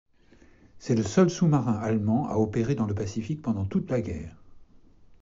C'est le seul sous-marin allemand à opérer dans le Pacifique pendant toute la guerre.